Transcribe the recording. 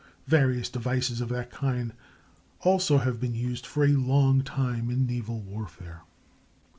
Various devices of that kind, also, have been used for a long time in naval warfare.